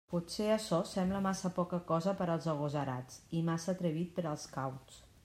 Potser açò sembla massa poca cosa per als agosarats i massa atrevit per als cauts.